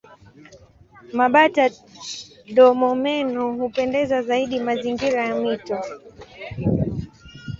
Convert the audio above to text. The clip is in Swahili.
Mabata-domomeno hupenda zaidi mazingira ya mito.